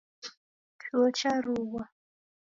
Chuo charughwa.